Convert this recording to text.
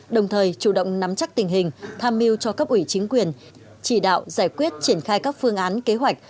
đồng thời chủ động nắm chắc tình hình tham mưu cho cấp ủy chính quyền chỉ đạo giải quyết triển khai các phương án kế hoạch